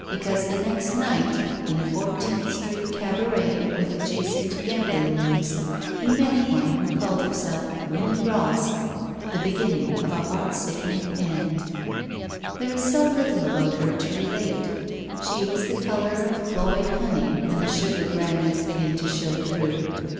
Because the next night, in a Fourteenth Street cabaret with adjacent gambling rooms, he met one who called herself Winnie Ross, the beginning of a heart sickening end. There is so little about her to relate. She was the color of cloyed honey when the sugar granules begin to show through.